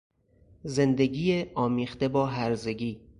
زندگی آمیخته با هرزگی